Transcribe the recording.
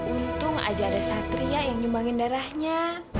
untung aja ada satria yang nyumbangin darahnya